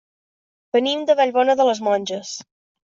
Venim de Vallbona de les Monges.